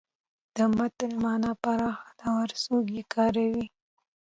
د متل مانا پراخه ده او هرڅوک یې کاروي